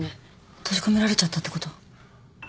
閉じ込められちゃったってこと？